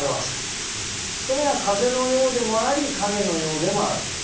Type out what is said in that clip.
それが風のようでもあり影のようでもあると。